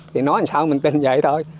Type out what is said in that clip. thì nói làm sao mình tin vậy thôi